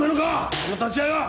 その立ち合いは。